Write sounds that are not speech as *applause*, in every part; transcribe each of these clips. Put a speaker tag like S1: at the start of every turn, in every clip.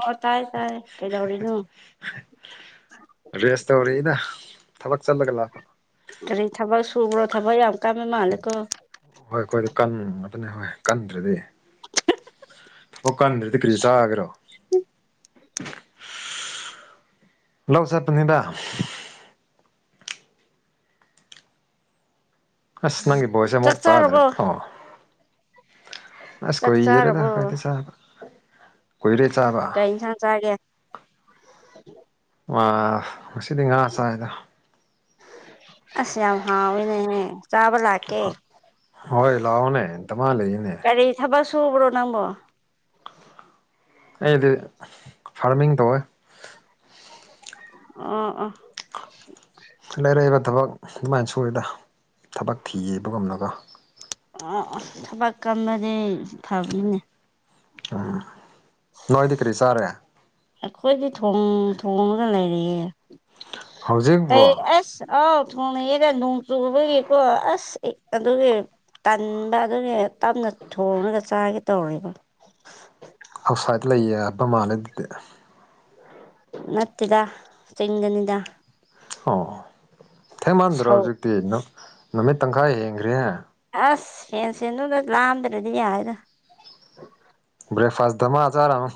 S1: ꯑꯣ ꯇꯥꯏ ꯇꯥꯏ ꯀꯩꯗꯧꯔꯤꯅꫭ
S2: ꯔꯦꯁ ꯇꯧꯔꯤ ꯑꯩꯅ ꯊꯕꯛ ꯆꯠꯂꯒ ꯂꯥꯛꯄ
S1: ꯀꯔꯤ ꯊꯕꯛ ꯁꯨꯕ꯭ꯔꯣ ꯊꯕꯛ ꯌꯥꯝ ꯀꯟꯕ ꯃꯥꯜꯂꯦꯀꯣ
S2: ꯍꯣꯏ ꯑꯩꯈꯣꯏꯗꯤ ꯀꯟ ꯉꯥꯛꯇꯅꯦ ꯍꯣꯏ ꯀꯟꯗ꯭ꯔꯗꯤ ꯊꯕꯛ ꯀꯟꯗ꯭ꯔꯗꯤ ꯀꯔꯤ ꯆꯥꯒꯦꯔꯣ ꯂꯧ ꯆꯠꯄꯅꯤꯗ ꯍꯝ ꯑꯁ ꯅꯪꯒꯤ ꯚ‌ꯣꯏꯁꯁꯦ
S1: ꯆꯥꯛ
S2: ꯃꯨꯛ ꯇꯥꯗ꯭ꯔꯦ
S1: ꯆꯥꯔꯕꯣ
S2: ꯑꯣ ꯑꯁ
S1: ꯆꯥꯛ
S2: ꯀꯨꯏꯔ‌ꯦꯗ
S1: ꯆꯥꯔꯕꯣ
S2: ꯈ‌ꯣꯏꯗꯤ ꯆꯥꯕ ꯀꯨꯏꯔꯦ ꯆꯥꯕ
S1: ꯀꯩ ꯏꯟꯁꯥꯡ ꯆꯥꯒꯦ
S2: ꯋꯥ ꯉꯁꯤꯗꯤ ꯉꯥ ꯆꯥꯏꯗ
S1: ꯑꯁ ꯌꯥꯝ ꯍꯥꯎꯏ ꯅꯦꯍꯦ ꯆꯥꯕ ꯂꯥꯛꯀꯦ
S2: ꯍꯣꯏ ꯂꯥꯛꯑꯣꯅꯦ ꯗꯃꯥ ꯂꯩꯌꯦꯅꯦ
S1: ꯀꯔꯤ ꯊꯕꯛ ꯁꯨ ꯁꯨꯕꯔꯣ ꯅꯪꯕꯣ
S2: ꯑꯩꯗꯤ ꯐꯥꯔꯃꯤꯡ ꯇꯧꯋꯦ
S1: ꯑꫭ ꯑꫭ
S2: ꯂꯩꯂꯩꯕ ꯊꯕꯛ ꯑꯗꯨꯃꯥꯏꯅ ꯁꯨꯔꯦꯗ ꯊꯕꯛ ꯊꯤꯕ ꯒꯨꯝꯅꯀꫭ
S1: ꯑꯥ ꯑꯥ ꯊꯕꯛ ꯀꯟꯕꯗꯤ ꯐꯕꯅꯦ
S2: ꯑꯍ ꯅꯣꯏꯗꯤ ꯀꯔꯤ ꯆꯥꯔꯦ
S1: ꯑꯩꯈꯣꯏꯗꯤ ꯊ‌ꯣꯡ ꯊꯣꯡꯉꯒ ꯂꯩꯔꯤꯌꯦ
S2: ꯍꯧꯖꯤꯛꯕꯣ
S1: ꯑꯩ ꯑꯁ ꯑꯥꯎ ꯊ‌ꯣꯡꯅꯩꯑꯦꯗ ꯅꯣꯡ ꯆꯨꯕꯒꯤꯀꯣ ꯑꯁ ꯑꯩ ꯑꯗꯨꯒꯤ ꯇꯟꯕ ꯑꯗꯨꯒꯤ ꯇꯞꯅ ꯊꯣꯡꯉꯒ ꯆꯥꯒꯦ ꯇꯧꯔꯤꯕ
S2: ꯑ ꯃꯥꯥꯜꯂꯦ ꯗꯨꯗꯤ
S1: ꯅꯠꯇꯦꯗ ꯆꯤꯡꯗꯅꯤꯗ
S2: ꯑꯣ ꯊꯦꯡꯃꯟꯗ꯭ꯔꯣ
S1: ꯁꯧ
S2: ꯍꯧꯖꯤꯛꯇꯤ ꯅꯨ ꯅꯨꯃꯤꯠ ꯇꯪꯈꯥꯏ ꯍꯦꯟꯈ꯭ꯔꯦꯅ
S1: ꯑꯁ ꯁꯦꯟ ꯁꯦꯟꯗꯨꯗ ꯂꯥꯟꯗ꯭ꯔꯗꯤ ꯌꯥꯏꯗ
S2: ꯕꯔꯦꯛꯐꯥꯁ ꯗꯃꯥ ꯆꯥꯝꯔꯝ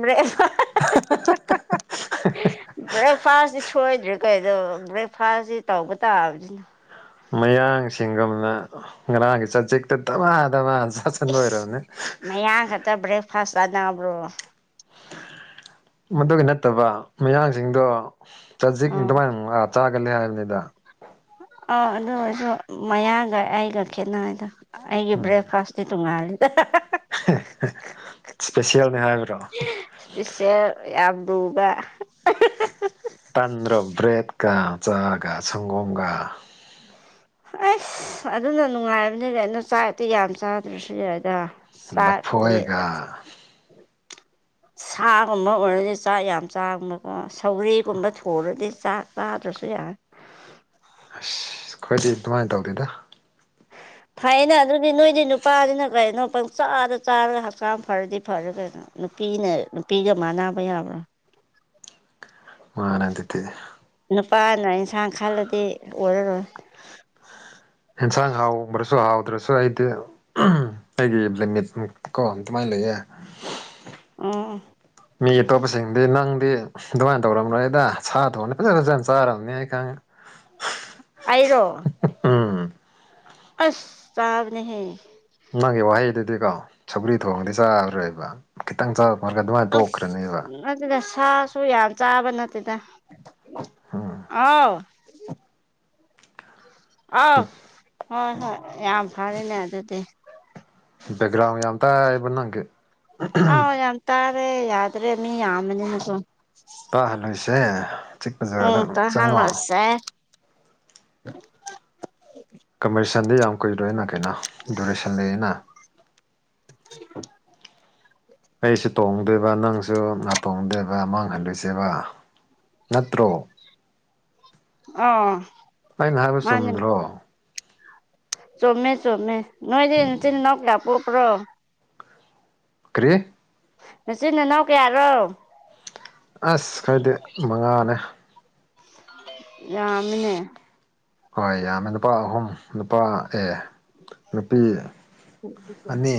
S1: ꯕꯔꯦꯛ *unintelligible* ꯕꯔ‌ꯦꯛꯐꯥꯁ ꯁꯣꯏꯗ꯭ꯔꯦ ꯀꯩꯗꯣ ꯕ꯭ꯔꯦꯛꯐꯥꯁꯁꯤ ꯇꯧꯕ ꯇꯥꯕꯅꯤꯅ
S2: ꯃꯌꯥꯡꯁꯤꯡꯒꯨꯝꯅ ꯉꯔꯥꯡꯒꯤ ꯆꯥꯖꯤꯛꯇ ꯗꯃꯥ ꯗꯃꯥ ꯆꯥꯁꯟꯕ
S1: ꯏꯁ
S2: ꯑꯣꯏꯔꯝꯅꯤ
S1: ꯃꯌꯥꯡ ꯈꯛꯇ ꯕ꯭ꯔꯦꯛꯐꯥꯁ ꯆꯥꯅꯕ꯭ꯔꯣ
S2: ꯃꯗꯨꯒꯤ ꯅꯠꯇꯕ ꯃꯌꯥꯡꯁꯤꯡꯗꯣ ꯆꯖꯤꯛ
S1: ꯎꯝ
S2: ꯗꯨꯃꯥꯏꯅ ꯂꯥꯛ ꯆꯥꯒꯜꯂꯦ ꯍꯥꯏꯕꯅꯤꯗ
S1: ꯑꯥ ꯑꯗꯨ ꯑꯣꯏꯔꯁꯨ ꯃꯌꯥꯡꯒ ꯑꯩꯒ ꯈꯦꯠꯅꯩꯗꯣ ꯑꯩꯒꯤ
S2: ꯎꯝ
S1: ꯕꯔꯦꯛꯐꯥꯥꯁꯗꯤ ꯇꯨꯡꯉꯥꯜꯔ‌ꯦ
S2: ꯏꯁꯄꯦꯁꯦꯜꯅꯤ ꯍꯥꯏꯕ꯭ꯔꯣ
S1: *unintelligible* ꯏꯁꯄꯤꯁ‌ꯦꯜ ꯌꯥꯝ ꯨꯂꯨꯕ *unintelligible*
S2: ꯇꯟꯗ꯭ꯔ ꯕ꯭ꯔꯦꯠꯀ ꯆꯥꯒ ꯁꯪꯒꯣꯝꯒ
S1: ꯑꯁ ꯑꯗꯨꯅ ꯅꯨꯡꯉꯥꯏꯕꯅꯤꯅꯦ ꯑꯗꯨ ꯆꯥꯔꯗꯤ ꯌꯥꯝ ꯆꯥꯗ꯭ꯔꯁꯨ ꯌꯥꯏꯗ ꯁꯥꯠꯂ‌ꯦ
S2: ꯂꯐꯣꯏꯒ
S1: *unintelligible* ꯁꯥꯒꯨꯝꯕ ꯑꯣꯏꯔꯗꯤ ꯆꯥꯛ ꯌꯥꯝ ꯆꯥꯡꯕꯀꯣ ꯁꯧꯒꯔꯤꯒꯨꯝꯕ ꯊꯣꯡꯔꯗꯤ ꯆꯥꯛ ꯆꯥꯗ꯭ꯔꯁꯨ ꯁꯤ ꯌꯥ
S2: ꯑꯁ ꯑꯩꯈꯣꯏꯗꯤ ꯑꯗꯨꯃꯥꯏꯅ ꯇꯧꯗ‌ꯦꯗ
S1: *unintelligible* ꯐꯩꯅ ꯑꯗꯨꯗꯤ ꯅꯣꯏꯗꯤ ꯅꯨꯄꯥꯅꯤꯅ ꯀꯩꯅꯣ ꯄꯪ ꯆꯥꯗ ꯆꯥꯔꯒ ꯍꯛꯆꯥꯡ ꯐꯔꯗꯤ ꯐꯔꯦ ꯀꯩꯅꯣ ꯅꯨꯄꯤꯅ ꯅꯨꯄꯤꯒ ꯃꯥꯅꯥꯕ ꯌꯥꯕ꯭ꯔꯥ
S2: ꯃꯥꯅꯗꯗꯤ
S1: ꯅꯨꯄꯥꯅ ꯏꯟꯁꯥꯡ ꯈꯜꯂꯗꯤ ꯑꯣꯏꯔꯔꯣꯏ *unintelligible*
S2: ꯌꯦꯟꯁꯥꯡ ꯍꯥꯎꯕ꯭ꯔꯁꯨ ꯍꯥꯎꯗ꯭ꯔꯁꯨ ꯑꯩꯗꯤ *unintelligible* ꯑꯩꯒꯤ ꯂꯤꯃꯤꯠ ꯃꯨꯛꯀꯣ ꯑꯗꯨꯃꯥꯏꯅ ꯂꯩꯌꯦ
S1: ꯑꯝ
S2: ꯃꯤ ꯑꯇꯣꯞꯄꯁꯤꯡꯗꯤ ꯅꯪꯗꯤ ꯑꯗꯨꯃꯥꯏꯅ ꯇꯧꯔꯝꯔꯣꯏꯗ ꯁꯥ ꯊ‌ꯣꯡꯉꯗꯤ ꯐꯖꯅ ꯐꯖꯅ ꯆꯥꯔꯝꯅꯤ ꯑꯩ ꯈꯪꯉꯦ
S1: ꯑꯩꯔ‌ꯣ
S2: ꯎꯝ
S1: ꯑꯁ ꯇꯥꯕꯅꯦꯍꯦ
S2: ꯅꯪꯒꯤ ꯋꯥꯍꯩꯗꯨꯗꯤꯀꯣ ꯁꯒ꯭ꯔꯤ ꯊꯣꯡꯗꯤ ꯆꯥꯔꯔꯣꯏꯕ ꯈꯤꯇꯪ ꯆꯔꯛꯔꯒ ꯑꯗꯨꯃꯥꯏꯅ ꯇꯣꯛꯈ꯭ꯔꯅꯦꯕ
S1: ꯑꯁ ꯑꯗꯨꯗ ꯁꯥꯁꯨ ꯌꯥꯝ ꯆꯥꯕ ꯅꯠꯇꯦꯗ
S2: ꯎꯝ
S1: ꯑꯥꯎ ꯑꯥꯎ ꯍꯣꯏ ꯍꯣꯏ ꯌꯥꯝ ꯐꯔꯦꯅꯦ ꯑꯗꯨꯗꯤ
S2: ꯦꯛ꯭ꯔꯥꯎ ꯌꯥꯝ ꯑꯃꯇꯕꯪ
S1: ꯑꯥꯎ ꯌꯦ ꯇꯔꯦ ꯌꯥꯗ꯭ꯔꯦ ꯃꯤ ꯌꯥꯝꯃꯅꯤꯅꯁꯨꯣ
S2: ꯀ ꯍꯜꯁꯦ
S1: ꯎꯝ ꯀꯍꯅꯣ ꯁꯦ
S2: ꯀꯝꯄꯤꯇꯁꯟꯗꯤ ꯌꯥꯝ ꯀꯨꯏꯔꯣꯏ ꯑꯩꯅ ꯀꯩꯅꯣ ꯗꯨꯔꯦꯁꯟꯗ ꯑꯩꯅ
S1: *unintelligible*
S2: ꯑꯩꯁꯨ ꯇꯣꯡꯗꯦꯕ ꯅꯪꯁꯨ ꯉꯍꯥꯛ ꯇꯣꯡꯗꯦꯕ ꯃꯥꯡꯍꯟꯂꯣꯏꯁꯦꯕ ꯅꯠꯇ꯭ꯔꯣ
S1: ꯑꯣ
S2: ꯑꯩꯅ ꯍꯥꯏꯕ ꯆꯨꯝꯗ꯭ꯔꯣ
S1: ꯆꯃꯦ ꯆꯣꯃꯦ ꯅꯣꯏꯗꯤ ꯆ ꯅꯗꯥ ꯄꯣꯄ꯭ꯔꯣ
S2: ꯀꯔꯤꯦ
S1: ꯅꯆꯤꯟ ꯅꯅꯥꯎ ꯀꯌꯥꯔꯣ
S2: ꯑꯁ ꯈꯔꯗꯤ ꯃꯉꯥꯅꯦ
S1: ꯌꯥꯃꯤꯅꯦ
S2: ꯍꯣꯏ ꯌꯥꯝꯃꯦ ꯂꯨꯄꯥ ꯑꯍꯨꯝ ꯂꯨꯄꯥ ꯑꯦ ꯅꯨꯄꯤ ꯑꯅꯤ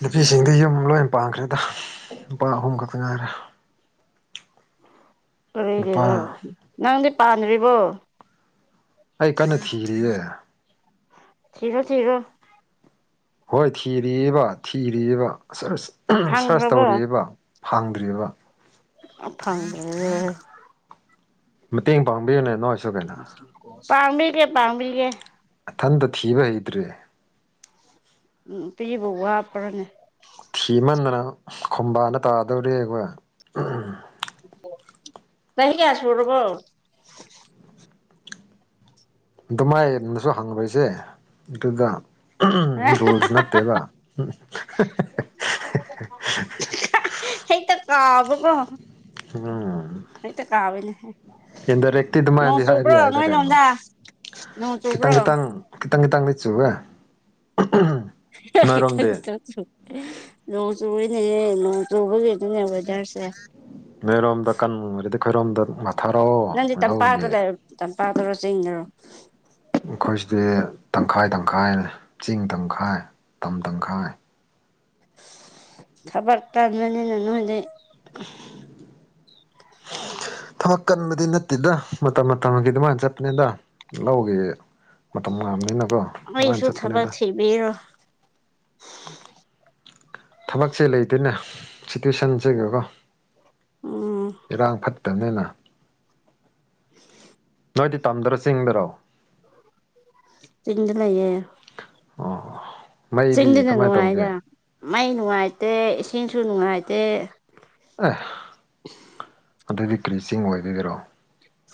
S2: ꯅꯨꯄꯤꯁꯤꯡꯗꯤ ꯌꯨꯝ ꯂꯣꯏ ꯄꯥꯡꯈ꯭ꯔꯦꯗ ꯂꯨꯄꯥ ꯑꯍꯨꯝ ꯈꯛꯇ ꯉꯥꯏꯈꯔꯦ
S1: ꯀꯅꯣ ꯅꯪꯗꯤ ꯄꯥꯟꯗ꯭ꯔꯤꯕꯣ
S2: ꯑꯩ ꯀꯟꯅ ꯊꯤꯔꯤꯌꯦ
S1: ꯊꯣ ꯊꯒ
S2: ꯍꯣꯏ ꯊꯤꯔꯤꯕꯔꯤꯕ ꯊꯤꯔꯤꯕꯔꯤꯕ ꯁꯔꯁ
S1: ꯐꯪꯈ꯭ꯔꯕꯣ
S2: ꯇꯧꯔꯤꯕꯕ ꯐꯥꯡꯗ꯭ꯔꯤꯕ
S1: ꯑ ꯐꯪ
S2: ꯃꯇꯦꯡ ꯄꯥꯡꯕꯤ ꯑꯣꯏꯅꯅꯦ
S1: ꯄꯥꯡꯃꯤꯜꯒꯦ ꯄꯥꯡꯥꯡꯃꯤꯜꯒꯦ
S2: ꯏꯊꯟꯇ ꯊꯤꯕ ꯍꯩꯗ꯭ꯔꯦ
S1: ꯎꯝ ꯇꯤꯕꯣ ꯋꯥ ꯄꯨꯔꯅꯦ
S2: ꯏꯃꯟꯗꯅ ꯈꯝꯕꯥꯅ ꯇꯥꯗꯧꯔꯤ ꯑꯩꯈꯣꯏ
S1: ꯀ ꯀ ꯑꯁꯕ ꯔꯔꯕꯣ
S2: ꯑꯗꯨ ꯃꯥꯏꯅꯁꯨ ꯍꯪꯕꯣꯏꯁꯦ ꯑꯗꯨꯗ ꯔꯣꯜꯁ ꯅꯠꯇꯦꯕ
S1: ꯍꯇ ꯀꯕ ꯀꯣ
S2: ꯑꯝ ꯏꯟꯗ ꯔꯦꯛꯇ
S1: ꯅꯣꯡ
S2: ꯃꯥꯏ
S1: ꯆꯨꯕ꯭ꯔꯣ
S2: ꯍꯥꯏꯕꯤꯗ
S1: ꯅꯣꯏ
S2: ꯀꯩꯅꯩꯅꯣ
S1: ꯂꯣꯝꯗ ꯅꯣꯡ
S2: ꯈꯤꯇꯪ
S1: ꯆꯨꯕ꯭ꯔꯣ
S2: ꯈꯤꯇꯥꯡ ꯈꯤꯇꯪ ꯈꯤꯇꯥꯡ ꯅꯤꯡꯆꯨ
S1: ꯆ ꯂ ꯆꯨꯅꯦꯍꯦ ꯆꯨꯕꯒꯤ ꯑꯗꯨꯅꯦꯕ ꯍꯖꯥꯔꯁꯦ
S2: ꯈꯔꯣꯝꯗ
S1: ꯅꯪꯗꯤ ꯇꯝꯄꯥꯛꯇ ꯂꯩꯔꯣ ꯇꯝꯄꯥꯛꯇꯔꯣ ꯆꯤꯡꯗꯔꯣ
S2: ꯑꯩꯈꯣꯏꯁꯤꯗꯤ ꯇꯪꯈꯥꯏ ꯇꯪꯈꯥꯏ ꯇꯪꯈꯥꯏ ꯆꯤꯡ ꯇꯪꯈꯥꯏ ꯇꯝ ꯇꯪꯈꯥꯏ
S1: ꯈꯕꯔ ꯇꯥꯖ ꯃꯅꯤꯅ ꯅꯣꯏ ꯂꯩ *unintelligible*
S2: ꯊꯕꯛ ꯀꯟꯕꯗꯤ ꯅꯠꯇꯦꯗ ꯃꯇꯝ ꯃꯇꯝꯒꯤ ꯑꯗꯨꯃꯥꯏꯅ ꯆꯠꯄꯅꯦꯗ ꯂꯧꯒꯦ ꯃꯇ ꯃꯗꯅ
S1: ꯑꯩꯣꯏꯁꯨ ꯈꯕꯔ ꯊꯤꯕꯤꯔꯣ
S2: ꯁꯤꯇꯨꯋꯦꯁꯟꯁꯦꯒꯀꯣ
S1: ꯎꯝ
S2: ꯏꯔꯥꯡ ꯐꯠ ꯇꯅꯅ ꯅꯣꯏꯗꯤ ꯇꯝꯗꯔ ꯆꯤꯡꯗꯔꯣ
S1: ꯆꯗ ꯂꯩꯑꯌꯦꯦ
S2: ꯑꯣ ꯃꯩꯗꯤ
S1: ꯆꯤꯡꯗꯅ
S2: ꯀꯃꯥꯏꯅ ꯇꯧꯒꯦ
S1: ꯅꯨꯡꯉꯥꯏꯗ ꯃꯩ ꯅꯨꯡꯉꯥꯏꯇꯦ ꯏꯁꯤꯡꯁꯨ ꯅꯨꯡꯉꯥꯏꯇꯦ
S2: ꯀ꯭ꯔꯤꯁꯤꯡ ꯑꯣꯏꯗꯣꯏꯔꯣ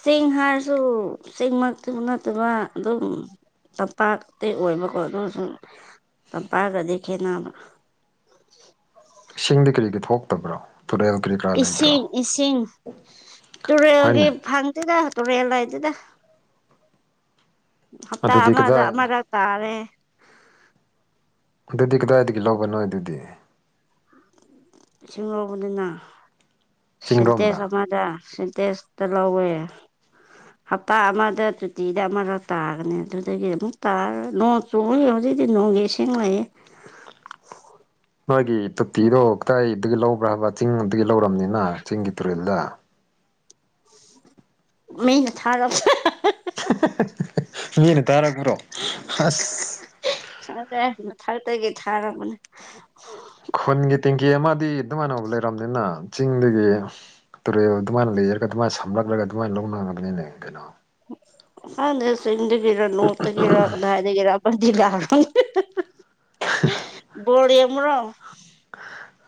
S1: ꯆꯁꯤꯡ ꯍꯥꯏꯔꯁꯨ ꯆꯁꯤꯡꯃꯛꯇꯕ ꯅꯠꯇꯕ ꯑꯗꯨꯝ ꯇꯝꯄꯥꯛꯇꯤ ꯑꯣꯏꯕꯀꯣ ꯑꯗꯨꯁꯨꯨꯝ ꯇꯝꯄꯥꯛꯒꯗꯤ ꯈꯦꯠꯅꯕ *inaudible*
S2: ꯁꯤꯡꯗꯤ ꯀꯔꯤꯒꯤ ꯊꯣꯛꯇꯕ꯭ꯔꯣ ꯇꯨꯔꯦꯜ ꯀꯔꯤ ꯀꯔꯥ ꯂꯩꯕ꯭ꯔꯣ
S1: ꯏꯁꯤꯡ ꯏꯁꯤꯡ ꯇꯨꯔꯦꯜꯒꯤ
S2: ꯍꯣꯏꯅꯦ
S1: ꯐꯪꯗꯦꯗ ꯇꯨꯔꯦꯂ ꯍꯥꯏꯗꯗ ꯍꯞꯇꯥ
S2: ꯑꯗꯨꯗꯤ
S1: ꯑꯃꯗ
S2: ꯀꯗꯥꯏ
S1: ꯑꯃꯗꯛ ꯇꯥꯔꯦ
S2: ꯑꯗꯨꯗꯤ ꯀꯗꯥꯏꯗꯒꯤ ꯂꯒꯅꯣ ꯑꯗꯨꯗꯤ
S1: ꯏꯁꯤꯡ ꯂꯧꯕꯅꯤꯅ ꯁꯤꯦꯟꯇꯦ
S2: ꯆꯤꯡꯔꯣꯝꯗ
S1: ꯑꯃꯗ ꯇꯦꯁꯇ ꯂꯧꯧꯕꯦ ꯍꯞꯇꯥ ꯑꯃꯗ ꯇꯨꯇꯤꯗ ꯑꯃꯔ ꯇꯥꯒꯅꯤ ꯑꯗꯨꯗꯒꯤ ꯑꯃꯨꯛ ꯇꯥꯔ ꯅꯣꯡ ꯆꯣꯡ ꯍꯧꯖꯤꯛ ꯗꯤ ꯅꯣꯡꯒꯦꯁ ꯉꯑꯦ
S2: ꯅꯣꯏꯒꯤ ꯇꯣꯇꯤꯗꯣ ꯀꯗꯥꯏꯒꯤ ꯂꯧꯕ꯭ꯔꯥꯕ ꯆꯤꯡ ꯑꯗꯨꯒꯤ ꯂꯧꯔꯕꯝꯅꯤꯅ ꯆꯤꯡꯒꯤ ꯇꯨꯔꯦꯜꯗ
S1: ꯃꯩꯅ ꯊꯥꯔ
S2: ꯃꯤꯅꯤ ꯇꯔꯥ ꯄ꯭ꯔꯣ ꯑꯁ
S1: ꯊꯥꯛꯛꯇꯒꯤꯦ ꯊꯥꯔꯕꯅꯦ
S2: ꯈꯨꯟꯒꯤ ꯇꯦꯡꯀꯤ ꯑꯃꯗꯤ ꯑꯗꯨꯃꯥꯏꯅ ꯐ ꯂꯩꯔꯕꯅꯤꯅ ꯆꯤꯡꯗꯒꯤ ꯇꯨꯔꯦꯜ ꯑꯗꯨꯃꯥꯏꯅ ꯂꯩꯔꯒ ꯑꯗꯨꯃꯥꯏꯅ ꯁꯝꯂꯛꯂꯒ ꯑꯗꯨꯃꯥꯏꯅ ꯂꯧꯅꯒꯅꯤꯅꯦ ꯀꯩꯅꯣ
S1: ꯑꯅꯦꯦ ꯁꯤꯤꯡꯗꯒꯔꯣ ꯅꯣ ꯇꯒꯤꯦꯔꯣꯗꯥꯥꯏꯗꯗꯒꯤꯔ ꯖꯤ ꯂꯣ ꯣꯣꯔ ꯑꯃ꯭ꯔꯣ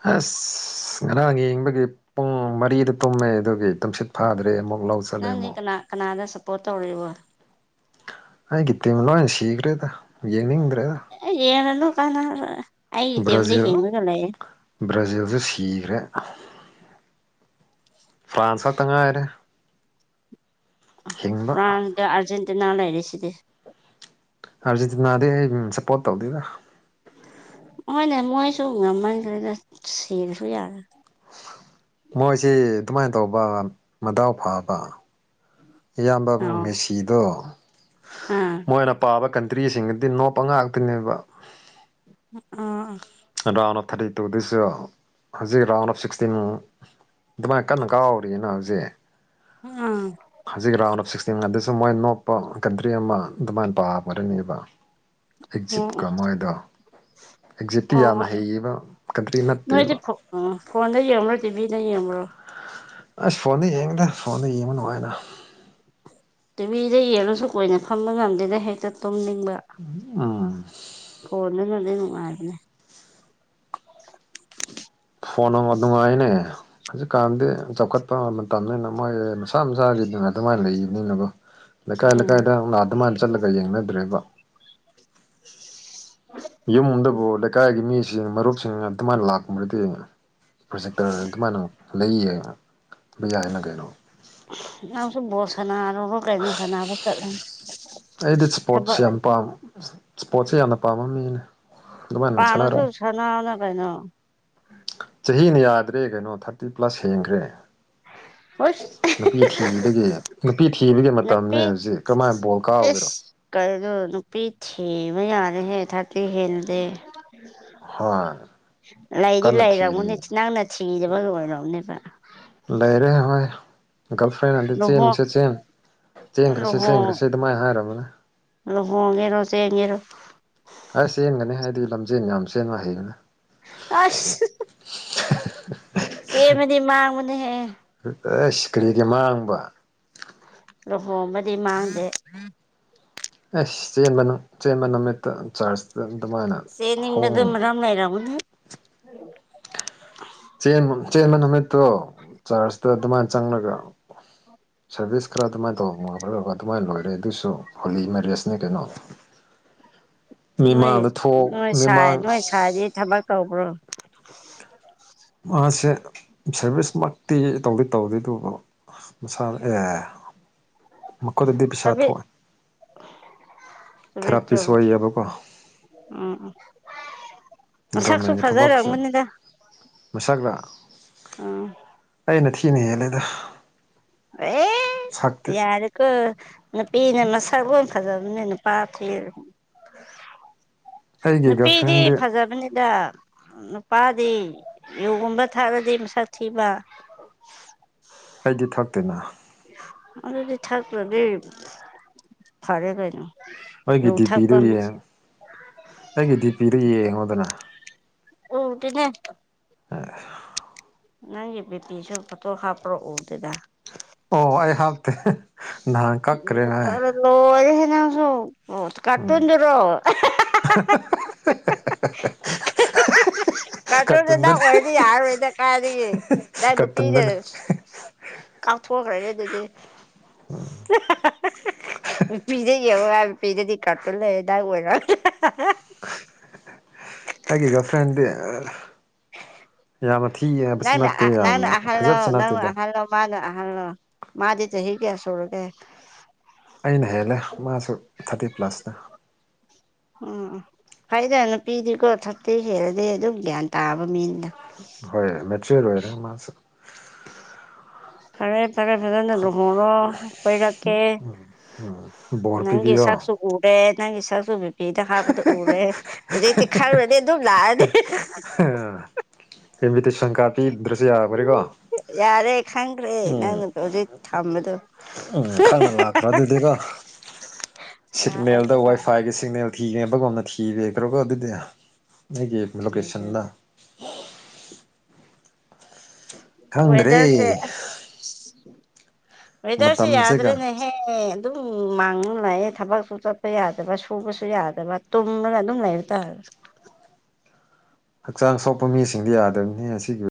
S2: ꯑꯁ ꯉꯔꯥꯡ ꯌꯦꯡꯕꯒꯤ ꯄꯨꯡ ꯃꯔꯤꯗ ꯇꯨꯝꯃꯦ ꯑꯗꯨꯒꯤ ꯇꯨꯝꯁꯤꯠ ꯐꯥꯗ꯭ꯔꯦ ꯑꯃꯨꯛ ꯂꯧ ꯆꯠꯂꯦ
S1: ꯅꯪꯗꯤ
S2: ꯑꯃꯨꯛ
S1: ꯀꯅꯥ ꯀꯅꯥꯗ ꯁꯞꯄꯣꯔꯠ ꯇꯧꯔꯤꯕꯣ
S2: ꯑꯒꯤꯇ ꯃꯂ ꯁꯤꯈ ꯔꯦꯗ
S1: ꯌꯦꯅ ꯂ ꯀꯥꯟꯅ ꯑꯩ ꯇꯦꯝꯗꯤ
S2: ꯕ꯭ꯔꯥꯖꯤꯜ
S1: ꯍꯦꯉꯒꯂꯌꯦꯦ
S2: ꯕ꯭ꯔꯥꯖꯤꯜꯁꯨ ꯁꯤꯈ꯭ꯔꯦ ꯐ꯭ꯔꯥꯥꯟꯁꯇꯉ ꯍꯥꯏꯔꯦ
S1: ꯐ꯭ꯔꯥꯟꯁꯗ ꯑꯔꯖꯦꯟꯦꯟꯇꯤꯅꯥ ꯂꯩ ꯍꯥꯏꯔꯁꯤꯗꯤ
S2: ꯑꯔꯖꯦꯟꯇꯤꯅꯥꯗꯤ ꯑꯩ ꯁꯞꯄꯣꯔꯠ ꯇꯧꯗꯦꯗ
S1: ꯍꯣꯏꯅꯦ ꯃꯣꯏꯁꯨ ꯉꯝꯃꯟꯈꯦꯗ ꯁꯔꯁꯨ ꯌꯥꯔꯦ
S2: ꯃꯣꯏꯁꯤ ꯑꯗꯨꯃꯥꯏꯅ ꯇꯧꯕ ꯃꯗꯥꯎ ꯐꯕ ꯏꯌꯥꯝꯕ
S1: ꯑꯥꯎ
S2: ꯃꯦꯁꯤꯗꯣ
S1: ꯑꯥ
S2: ꯃꯣꯏꯅ ꯄꯥꯕ ꯀ ꯇ꯭ꯔꯤꯁꯤꯡꯒꯗꯤ ꯅꯣꯞ ꯉꯥꯛꯇꯅꯦꯕ
S1: ꯑ
S2: round of thirty two this ꯍꯧꯖꯤꯛ ꯔꯥꯎꯟ ꯑꯣꯐ ꯁꯤꯛꯁꯇꯤꯟ ꯑꯗꯨꯃꯥꯏꯅ ꯀꯟꯅ ꯀꯥꯎꯧꯔꯤꯅ ꯍꯧꯖꯤꯛ
S1: ꯑꯥ
S2: ꯍꯧꯖꯤꯛ ꯔꯥꯎꯟ ꯑꯣꯐ ꯁꯤꯛꯁꯇꯤꯟ ꯁ ꯃꯣꯏ ꯅꯣꯞꯄ ꯀꯟꯇ꯭ꯔꯤ ꯑꯃ ꯑꯗꯨꯃꯥꯏꯅ ꯄꯥꯕꯔꯅꯦꯕ
S1: ꯑꯣ
S2: ꯑꯦꯛꯖꯤꯞꯀ ꯃꯣꯏꯗꯣ ꯑꯦꯛꯖꯤꯞ
S1: ꯑꯣ ꯅꯣꯏꯗꯤ ꯐꯣꯟꯗ ꯌꯦꯡꯕꯨꯔꯣ ꯇꯤꯚꯤꯗ ꯌꯦꯡꯕꯨꯔꯣ
S2: ꯑꯁ ꯐꯣꯟꯗ ꯌꯦꯡꯉꯗꯦ ꯐꯣꯟꯗ ꯌꯦꯡꯕ ꯅꯨꯡꯉꯥꯏꯅ
S1: ꯇꯨꯃꯤꯗ ꯌꯦꯜꯂꯨꯁꯨ ꯀꯨꯅ ꯐꯝꯕ ꯉꯝꯗꯦꯅ ꯍꯦꯛꯇ ꯇꯨꯝꯅꯤꯡꯉ
S2: ꯑꯥ
S1: ꯂ ꯂꯅ ꯑꯗꯅꯦ
S2: ꯐꯣꯟꯣꯟ ꯑꯗꯨꯉꯥꯏꯅꯦ ꯍꯧꯖꯤꯛꯀꯥꯟꯗꯤ ꯆꯥꯎꯈꯠꯄ ꯃꯇꯝꯅꯤꯅ ꯃꯣꯏ ꯃꯁꯥ ꯃꯁꯥꯒꯤ ꯅꯨꯡꯉꯥꯏ ꯑꯗꯨꯃꯥꯏꯅ ꯂꯩꯕꯅꯤꯅꯕꯣ ꯂꯩꯀꯥꯏ
S1: ꯎꯝ
S2: ꯂꯩꯀꯥꯏꯗ ꯉꯥ ꯑꯗꯨꯃꯥꯏꯅ ꯆꯠꯂꯒ ꯌꯦꯡꯅꯗ꯭ꯔꯦꯕ
S1: *unintelligible*
S2: ꯌꯨꯝꯗꯕꯨ ꯂꯩꯀꯥꯏꯒꯤ ꯃꯤꯁꯤꯡ ꯃꯔꯨꯞꯁꯤꯡ ꯑꯗꯨꯃꯥꯏꯅ ꯂꯥꯛꯄ꯭ꯔꯗꯤ ꯄ꯭ꯔꯣꯖꯦꯛꯇꯔ ꯑꯗꯨꯃꯥꯏꯅ ꯂꯩ ꯌꯦꯡꯕ ꯌꯥꯏ ꯍꯥꯏꯅ ꯀꯩꯅꯣ
S1: ꯑꯁꯨꯕꯣꯔ ꯁꯅꯥ ꯀꯥꯏ ꯁꯅ ꯆ
S2: ꯑꯩꯗꯤ ꯏꯁꯄꯣꯔꯠꯁ ꯌꯥꯝ ꯄꯥꯝ ꯏꯁꯄꯣꯔꯠꯁꯦ ꯌꯥꯝꯅ ꯄꯥꯝꯕ ꯃꯤꯅꯦ ꯑꯗꯨꯃꯥꯏꯅ
S1: ꯄꯅꯁꯨ
S2: ꯁꯥꯟꯅꯔꯛꯑꯣ
S1: ꯎꯁꯅꯅ ꯀꯥꯏꯩꯅꯣ
S2: ꯆꯍꯤꯅ ꯌꯥꯗ꯭ꯔꯦ ꯀꯩꯅꯣ ꯊꯥꯔꯇꯤ ꯄ꯭ꯂꯁ ꯍꯦꯡꯈ꯭ꯔꯦ
S1: ꯍꯨꯏꯁ
S2: ꯊꯤꯕꯒꯤ ꯅꯨꯄꯤ ꯊꯤꯕꯒꯤ
S1: ꯍ
S2: ꯃꯇꯝꯅꯦ ꯍꯧꯖꯤꯛ ꯀꯔꯝꯍꯥꯏꯅ ꯕꯣꯜ ꯀꯥꯎꯒꯦꯔꯣ
S1: ꯅꯨꯄꯤꯤꯁ ꯀꯔꯤꯣ ꯅꯨꯄꯤ ꯊꯦꯝꯕ ꯌꯥꯗꯦ ꯍꯦ ꯊꯥꯇ ꯍꯦꯜꯂꯗꯦ
S2: ꯍ
S1: ꯂꯩꯗꯤ ꯂꯩꯔꯝꯅꯦ ꯅꯪꯅ ꯊꯤꯡꯉꯤꯗꯕ ꯂꯣꯏꯔꯝꯅꯦꯕ
S2: ꯂꯩꯔꯦ ꯍꯣꯏ ꯒꯥꯔꯜ ꯐ꯭ꯔꯦꯟ ꯑꯗꯨꯗꯤ
S1: ꯂꯨꯍꯣꯡ
S2: ꯆꯦꯟꯁꯦ ꯆꯦꯟ ꯆꯦꯡꯈ꯭ꯔꯁꯤ ꯆꯦꯡꯈ꯭ꯔꯁꯤ ꯑꯗꯨꯃꯥꯏꯅ ꯍꯥꯏꯔꯕꯅꯦ
S1: ꯂ ꯍꯣꯡꯒꯦꯔꯣꯁꯦꯡꯒꯦꯔꯣ
S2: ꯑꯁ ꯆꯦꯟꯒꯅꯤ ꯍꯥꯏꯗꯤ ꯂꯝꯖꯦꯟ ꯌꯥꯝ ꯆꯦꯟꯕ ꯍꯩꯕꯅꯦ
S1: ꯑꯁ ꯆꯦꯟꯕꯗꯤ ꯃꯥꯡꯕꯅꯦꯍꯦ
S2: ꯑꯦ ꯁꯤꯀ꯭ꯔꯤꯒꯤ ꯃꯥꯡꯕ
S1: ꯂꯍꯣꯕꯗꯤ ꯃꯥꯡꯗꯦ
S2: ꯑꯦꯁ ꯆꯦꯟꯕꯅ ꯆꯦꯟꯕ ꯅꯃꯤꯠꯇ ꯆꯥꯔꯖ
S1: ꯁꯤ ꯅꯤꯡꯕ ꯑꯗꯨꯔꯝꯥꯏꯔꯅꯦ
S2: ꯦꯟ ꯆꯦꯟꯕ ꯅꯨꯃꯤꯠꯇꯣ ꯆꯥꯔꯖꯇ ꯑꯗꯨꯃꯥꯏꯅ ꯆꯪꯂꯒ ꯁꯥꯔꯚꯤꯁ ꯈꯔ ꯑꯗꯨꯃꯥꯏꯅ ꯇꯧꯕ ꯃ ꯈꯠꯔꯒ ꯑꯗꯨꯃꯥꯏꯅ ꯂꯣꯏꯔꯦ ꯑꯗꯨꯏꯁꯨ ꯍꯣꯂꯤ ꯃꯦꯔꯦꯖꯅꯦ ꯀꯩꯅꯣ
S1: ꯅꯣꯏ
S2: ꯃꯤꯃꯥꯡꯗ ꯊꯣꯛ
S1: ꯅꯣꯏ ꯁꯥꯏ
S2: ꯃꯤꯃꯥꯡ
S1: ꯅꯣꯏ ꯁꯥꯏꯗꯤ ꯊꯕꯛ ꯇꯧꯕ꯭ꯔꯣ
S2: ꯇꯧꯗꯦ ꯇꯧꯗꯦ ꯑꯗꯨ ꯃꯁꯥꯅ ꯑꯦ ꯃꯈꯣꯏꯗꯗꯤ ꯄꯩꯁꯥ ꯊꯣꯛꯑꯦ
S1: ꯆ
S2: ꯊꯦꯔꯥꯄꯤꯁ ꯑꯣꯏꯌꯦꯕꯀꯣ
S1: ꯎꯝ ꯎ
S2: ꯒꯣꯔꯃꯦꯟꯒꯤ ꯊꯕꯛꯁꯨ
S1: ꯐꯖꯔꯝꯒꯅꯤꯗ
S2: ꯃꯁꯛ ꯈ
S1: ꯎꯝ
S2: ꯑꯩꯅ ꯊꯤꯅ ꯍꯦꯜꯂꯦꯗ
S1: ꯑꯦ
S2: ꯁꯛꯇꯤ
S1: ꯌꯔꯦꯀꯣ ꯅꯨꯄꯤꯅ ꯃꯁꯛꯒꯨꯝ ꯐꯖꯕꯅꯦ ꯅꯨꯄꯥ ꯐꯤ
S2: ꯑꯩꯒꯤ ꯒꯔꯜ
S1: ꯅꯨꯄꯤꯗꯤ
S2: ꯐ꯭ꯔꯦꯟꯗꯤ
S1: ꯐꯖꯕꯅꯤꯗ ꯄꯥꯗꯤ ꯌꯨꯒꯨꯝꯕ ꯊꯥꯔꯗꯤ ꯃꯁꯛ ꯊꯤꯕ
S2: ꯑꯩꯗꯤ ꯊꯛꯇꯤꯅ
S1: ꯑꯗꯤ ꯊꯥꯛ ꯂꯗꯤ ꯐꯔꯦ ꯀꯩꯅꯣ
S2: ꯑꯩꯒꯤ
S1: ꯌꯨ
S2: ꯗꯤ
S1: ꯊꯛꯄ
S2: ꯄꯤꯗꯨ
S1: ꯃꯤ
S2: ꯌꯦꯡ ꯑꯩꯒꯤ ꯗꯤ ꯄꯤꯗꯨ ꯌꯦꯡꯉꯣꯗꯅ
S1: ꯇꯇꯅꯦ
S2: ꯑ
S1: ꯅꯪꯒꯤ ꯕꯤꯄꯤ ꯁ ꯐꯇꯣ ꯍꯥꯞꯄ꯭ꯔꯛ ꯎꯗꯨꯗ
S2: ꯑꯣ ꯑꯩ ꯍꯥꯞꯇꯦ ꯅꯍꯥꯟ ꯀꯛꯈ꯭ꯔꯦꯅꯦ
S1: ꯁꯨꯣ ꯀꯇꯟꯗꯔꯣ
S2: *unintelligible*
S1: ꯀꯇꯣꯗꯗꯥ
S2: ꯀꯔꯇꯨꯟꯗꯅꯦ
S1: ꯑꯣꯏꯗꯤ ꯌꯥꯔ ꯑꯣꯏꯗ ꯀꯥꯏ ꯗ ꯗꯨꯄꯤꯗ
S2: ꯀꯔꯇꯨꯟꯗꯅꯦ
S1: ꯀꯥꯎꯊꯣꯛꯈ꯭ꯔꯅꯦꯦ ꯑꯗꯨꯗꯤ ꯄꯤꯔꯕ ꯄꯤꯔꯗꯤ ꯀꯠꯇ ꯂꯩꯗꯥ ꯑꯣꯏꯔ
S2: ꯍꯥꯏꯦꯒ ꯐ꯭ꯔꯦꯟ
S1: ꯅꯪ
S2: ꯅꯠꯇꯦ
S1: ꯑ ꯅꯪ
S2: ꯌꯥꯝꯅ
S1: ꯑꯍꯜꯂꯣ
S2: ꯐꯖꯕꯁꯨ
S1: ꯅꯪꯅ
S2: ꯅꯠꯇꯦꯗ
S1: ꯑꯍꯜꯂꯣ ꯃꯥꯅ ꯑꯍꯜꯂꯣ ꯃꯥꯗꯤ ꯆꯍꯤ ꯀꯌꯥ ꯁꯨꯔꯦ
S2: ꯑꯩꯅ ꯍꯦꯜꯂꯦ ꯃꯥꯁꯨ ꯊꯥꯔꯇꯤ ꯄ꯭ꯂꯁꯅ
S1: ꯎꯝ ꯐꯥꯏꯗ ꯅꯨꯄꯤꯗꯤꯀꯣ ꯊꯛꯇꯤ ꯍꯦꯜꯂꯗꯤ ꯑꯗꯨꯝ ꯒ꯭ꯌꯥꯟ ꯇꯥꯕ ꯃꯤꯅꯤ
S2: ꯍꯣꯏ ꯃꯦꯆ꯭ꯔ ꯑꯣꯏꯔꯦ ꯃꯥꯁꯦ
S1: ꯍ ꯐꯔ ꯐꯖꯅ ꯂꯨꯍꯔꯣ ꯀꯣꯏꯔꯛꯀꯦ
S2: ꯕꯣꯔ
S1: ꯅꯪꯒꯤ
S2: ꯄꯤꯕꯤꯌꯣ
S1: ꯁꯛꯁꯨ ꯎꯔꯦ ꯅꯪꯒꯤ ꯏꯥꯁꯨ ꯗꯤꯄꯤꯗ ꯍꯥꯞꯕꯗ ꯎꯔꯦ ꯍꯧꯖꯤꯛꯇꯤ ꯈꯪꯉꯪꯔꯗꯤ ꯑꯗꯨꯝ ꯂꯥꯛꯑꯅꯤ *unintelligible*
S2: ꯏꯟꯚꯤꯇꯦꯁꯟ ꯀꯥ꯭ꯔꯠ ꯄꯤꯗ꯭ꯔꯁꯨ ꯌꯥꯈ꯭ꯔꯦꯀꯣ
S1: ꯍꯦ ꯅꯪꯅ ꯀꯣꯖꯤꯩ ꯊꯝꯝꯕꯗꯣ
S2: ꯎꯝ ꯈꯪꯅ ꯂꯥꯛꯈ꯭ꯔꯣ ꯑꯗꯨꯗꯤꯀꯣ ꯁꯤꯒꯅꯦꯜꯗ ꯋꯥꯏꯐꯥꯏꯒꯤ ꯁꯤꯒꯅꯦꯜ ꯊꯤꯒꯕꯒꯨꯝꯅ ꯊꯤꯔꯦ ꯑꯗꯨꯒꯧ꯭ꯔꯒ ꯑꯗꯨꯗꯤ ꯑꯩꯒꯤ ꯂꯣꯀꯦꯁꯟꯗ
S1: ꯂꯥꯛꯑꯁꯤꯗꯨꯗ
S2: ꯈꯪꯗ꯭ꯔꯦ
S1: ꯋꯦꯗꯔꯁꯦ ꯋꯦꯗꯔꯁꯨ
S2: ꯃꯇꯝꯁꯤꯒ
S1: ꯌꯥꯗ꯭ꯔꯦꯅꯦꯍꯦ ꯑꯗꯨꯝ ꯃꯥꯡ ꯂꯥꯛꯑꯦ ꯊꯕꯛꯁꯨ ꯆꯠꯄ ꯌꯥꯗꯕ ꯁꯨꯕꯁꯨ ꯌꯥꯗꯕ ꯇꯨꯝꯃꯒ ꯑꯗꯨꯝ ꯂꯩꯕ ꯇꯥꯔ
S2: ꯍꯛꯆꯥꯡ ꯁꯣꯛꯄ ꯃꯤꯁꯤꯡꯗꯤ ꯌꯥꯗꯕꯅꯤ ꯑꯁꯤꯒꯤ